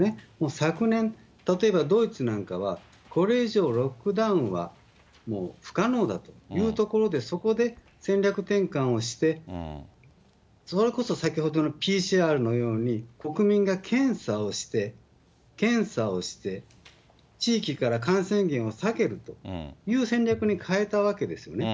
昨年、例えばドイツなんかは、これ以上ロックダウンはもう不可能だというところで、そこで戦略転換をして、それこそ先ほどのＰＣＲのように、国民が検査をして、検査をして、地域から感染源を下げるという戦略に変えたわけですよね。